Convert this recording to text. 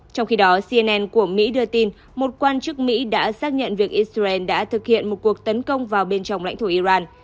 trong khi đó cnn của mỹ đưa tin một quan chức mỹ đã xác nhận việc israel đã thực hiện một cuộc tấn công vào bên trong lãnh thổ iran